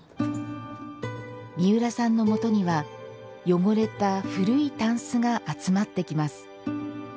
三浦さんのもとには汚れた古いたんすが集まってきます。